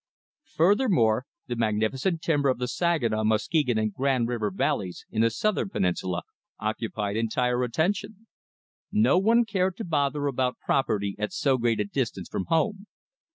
Furthermore, the magnificent timber of the Saginaw, Muskegon, and Grand River valleys in the southern peninsula occupied entire attention. No one cared to bother about property at so great a distance from home.